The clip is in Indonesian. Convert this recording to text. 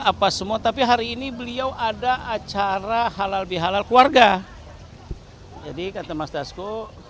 apa semua tapi hari ini beliau ada acara halal bihalal keluarga jadi kata mas dasko